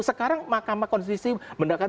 sekarang mahkamah konstitusi mendakar perbaikan